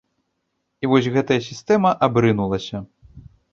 І вось, гэтая сістэма абрынулася.